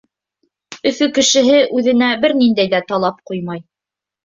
Өфө кешеһе үҙенә бер ниндәй ҙә талап ҡуймай.